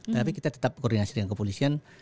tapi kita tetap koordinasi dengan kepolisian